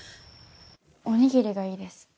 おにぎりがいいです。